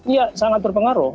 iya sangat berpengaruh